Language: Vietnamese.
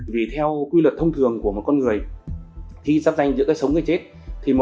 vì theo quy luật thông thường của một con người khi sắp danh giữa cái sống với cái chết